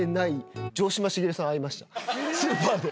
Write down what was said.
スーパーで。